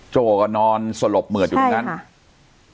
โจ้ก็นอนสลบเหมือดอยู่ตรงนั้นค่ะ